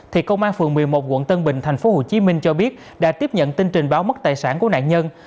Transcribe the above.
thì công an phường một mươi một quận tân bình tp hcm cho biết đã tiếp nhận tin trình báo mất tài sản của nạn nhân